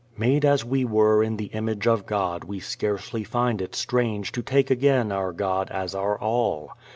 Made as we were in the image of God we scarcely find it strange to take again our God as our All.